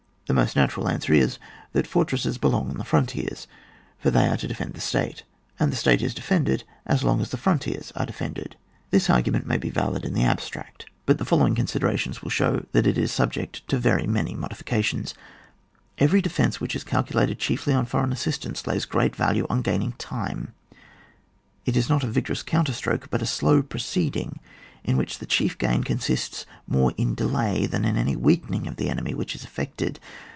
The most natural answer is, — that for tresses belong to the irontiers, for they are to defend the state, and the state is defended as long as the frontiers are defended. This argument may be valid in the abstract, but the following con CHAP. X.] FORTRESSES. 107 ^derations will show that it is subject to Tery many modifications. Every defence which is calculated chiefly on foreign assistance lays great value on gaining time ; it is not a vigorous counterstroke, but a slow pro ceeding, in which the chief gain consists more in delay than in any weakening of the enemy which is effected.